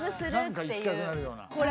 何か行きたくなるような。